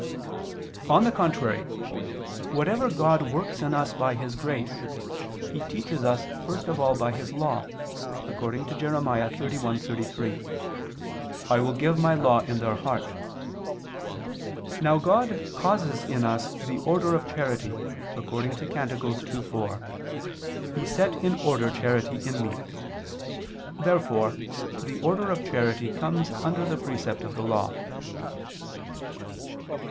On the contrary, Whatever God works in us by His grace, He teaches us first of all by His Law, according to Jer. 31:33: "I will give My Law in their heart [*Vulg.: 'in their bowels, and I will write it in their heart']." Now God causes in us the order of charity, according to Cant. 2:4: "He set in order charity in me." Therefore the order of charity comes under the precept of the Law.